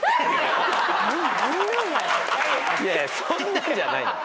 いやいやそんなんじゃない。